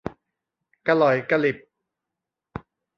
กะหล่อยกะหลิบ